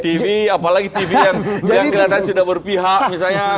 tv apalagi tv yang kita lihat sudah berpihak misalnya